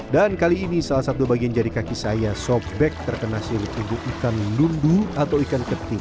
dan kali ini salah satu bagian jari kaki saya sobek terkena sirup ibu ikan lundu atau ikan ketim